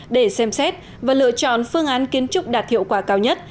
để xem xét và lựa chọn phương án kiến trúc đạt hiệu quả cao nhất